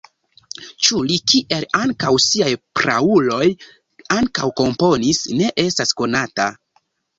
Ĉu li kiel ankaŭ siaj prauloj ankaŭ komponis, ne estas konata.